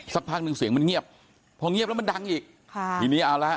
สักพักหนึ่งเสียงมันเงียบพอเงียบแล้วมันดังอีกค่ะทีนี้เอาละ